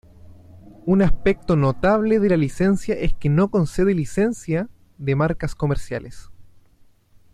Un aspecto notable de la licencia es que no concede licencia de marcas comerciales.